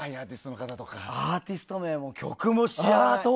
アーティスト名も曲も知らない。